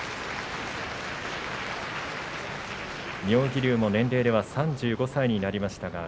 妙義龍も年齢では３５歳になりました。